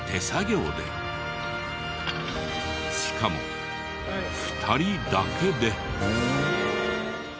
しかも２人だけで。